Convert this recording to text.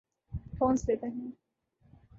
ﭨﮭﻮﻧﺲ ﺩﯾﺘﮯ ﺗﮭﮯ